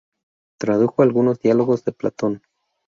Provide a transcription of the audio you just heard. Tradujo algunos diálogos de Platón.